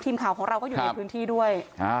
ทีมข่าวของเราก็อยู่ในพื้นที่ด้วย